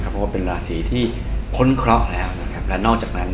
เพราะว่าเป็นราศีที่พ้นเคราะห์แล้วและนอกจากนั้น